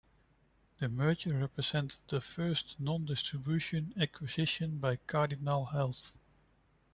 The merger represented the first non-distribution acquisition by Cardinal Health.